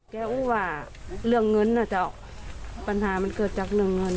อู้ว่าเรื่องเงินน่าจะปัญหามันเกิดจากเรื่องเงิน